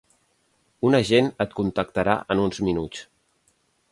Un agent et contactarà en uns minuts.